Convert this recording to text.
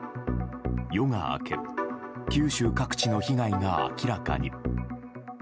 夜が明け九州各地の被害が明らかに。